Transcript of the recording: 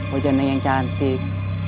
wajah neng yang cantik